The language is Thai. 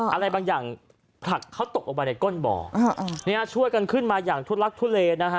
อะไรบางอย่างผลักเขาตกลงไปในก้นบ่อเนี่ยช่วยกันขึ้นมาอย่างทุลักทุเลนะฮะ